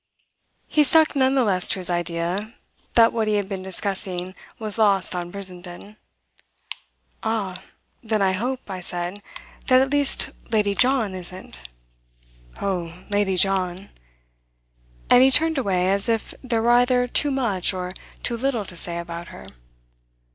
He stuck none the less to his idea that what we had been discussing was lost on Brissenden. "Ah, then I hope," I said, "that at least Lady John isn't!" "Oh, Lady John !" And he turned away as if there were either too much or too little to say about her.